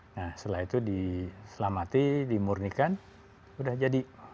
nah setelah itu diselamati dimurnikan udah jadi